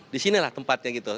di sinilah tempatnya gitu